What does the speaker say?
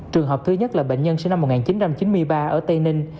trường hợp thứ nhất là bệnh nhân sinh năm một nghìn chín trăm chín mươi ba ở tây ninh